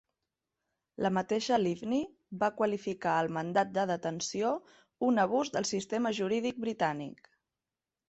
La mateixa Livni va qualificar el mandat de detenció "un abús del sistema jurídic britànic".